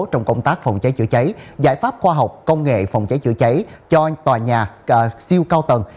trong công tác phòng cháy chữa cháy giải pháp khoa học công nghệ phòng cháy chữa cháy cho tòa nhà siêu cao tầng